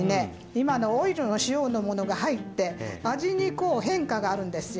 今のオイルの塩のものが入って味にこう変化があるんですよ。